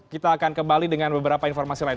kita akan kembali dengan beberapa informasi lain